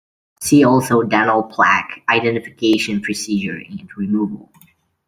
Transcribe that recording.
See also dental plaque identification procedure and removal.